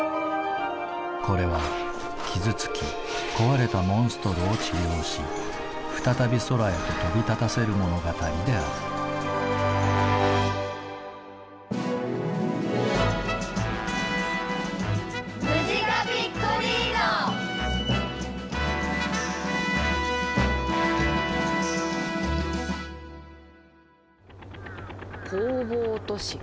これは傷つき壊れたモンストロを治療し再び空へと飛び立たせる物語である工房都市。